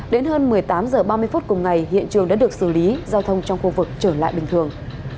đến hơn một mươi tám h ba mươi phút cùng ngày hiện trường đã được xử lý giao thông trong khu vực trở lại bình thường